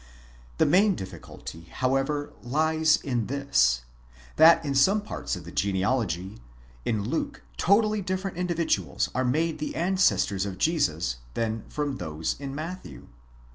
The main difficulty, however, lies in this: that in some parts of the genealogy, in Luke totally different individuals are made the ancestors of Jesus from those of Matthew.